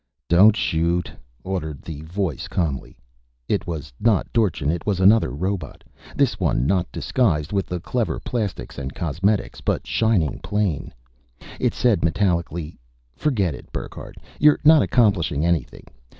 "Don't shoot," ordered the voice calmly. It was not Dorchin; it was another robot, this one not disguised with the clever plastics and cosmetics, but shining plain. It said metallically: "Forget it, Burckhardt. You're not accomplishing anything.